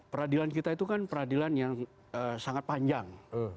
peradilan kita itu kan peradilan yang sangat panjang